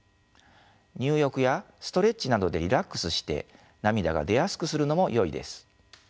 入浴やストレッチなどでリラックスして涙が出やすくするのもよいです。